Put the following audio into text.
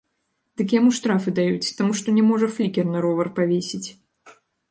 Дык яму штрафы даюць, таму што не можа флікер на ровар павесіць.